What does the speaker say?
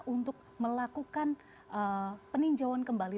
untuk melakukan peninjauan kembali